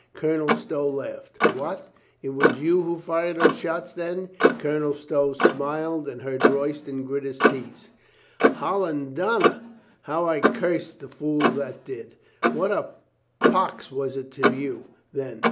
Colonel Stow laughed. "What! It was you fired those shots then?" Colonel Stow smiled and heard Royston grit his teeth. "Hollendonner! How I cursed the fool that did ! What a pox was it to you, then?